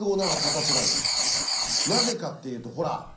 なぜかっていうとほら。